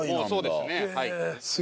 そうですねはい。